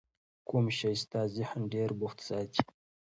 کوم شی ستا ذهن ډېر بوخت ساتي؟